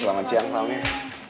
selamat siang pak amir